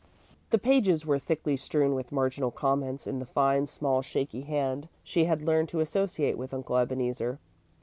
The pages were thickly strewn with marginal comments in the fine, small, shaky hand she had learned to associate with Uncle Ebeneezer.